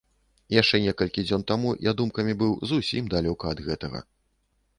Яшчэ некалькі дзён таму я думкамі быў зусім далёка ад гэтага!